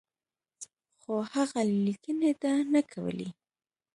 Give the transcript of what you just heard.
خو هغه لیکني ده نه کولې.